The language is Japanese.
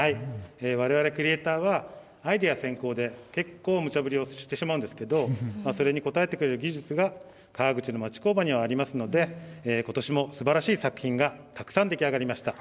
われわれクリエーターはアイデア先行で結構むちゃぶりをしてしまうんですけどそれに応えてくれる技術が川口の町工場にはありますのでことしもすばらしい作品がたくさん出来上がりました。